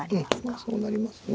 そうなりますね。